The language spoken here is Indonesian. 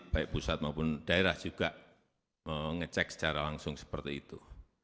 baik pusat maupun daerah juga mengecek secara langsung seperti itu